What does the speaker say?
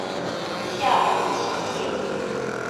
下分七县。